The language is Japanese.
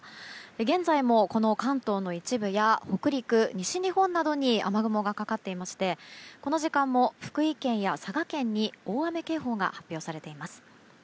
現在もこの関東の一部や北陸、西日本などに雨雲がかかっていましてこの時間も福井県や佐賀県に大雨警報が発表されています。